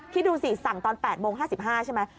คิดดูสิสั่งตอน๘โมง๕๕ใช่ไหม